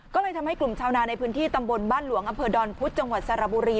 ก็เลยทำให้กลุ่มชาวนาในพื้นที่ตำบลบ้านหลวงอำเภอดอนพุธจังหวัดสระบุรี